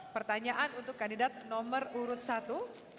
pertanyaan untuk kandidat nomor urut satu